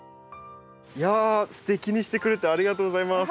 いやすてきにしてくれてありがとうございます。